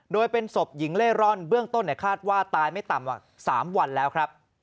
โดยเป็นศพหญิงเล่ร่อนเบื้องต้นคาดว่าตายไม่ต่ำกว่า๓วันแล้วครับ